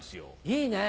いいね。